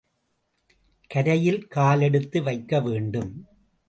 கரையில் காலெடுத்து வைக்க வேண்டும்.